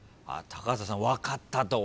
高畑さん「分かった」と。